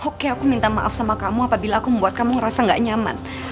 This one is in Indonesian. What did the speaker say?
oke aku minta maaf sama kamu apabila aku membuat kamu ngerasa gak nyaman